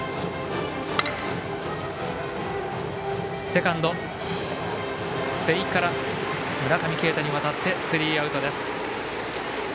セカンド瀬井から村上慶太にわたってスリーアウト。